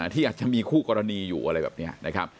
ที่อาจจะมีคู่กรณีอยู่อะไรแบบนี้นะครับ